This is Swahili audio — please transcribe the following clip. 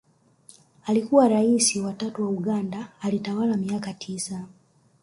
Alikua raisi wa tatu wa Uganda alitawala miaka tisa